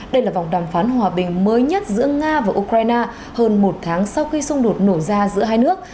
đây là vòng đàm phán hòa bình mới nhất giữa nga và ukraine hơn một tháng sau khi xung đột nổ ra giữa hai nước